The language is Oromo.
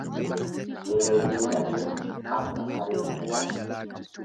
Eegee dhabeef amma saree hanqate.